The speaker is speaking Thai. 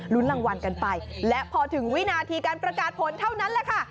รางวัลกันไปและพอถึงวินาทีการประกาศผลเท่านั้นแหละค่ะ